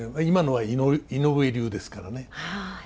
今のは井上流ですからね。